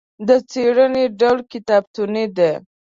د څېړنې ډول کتابتوني دی.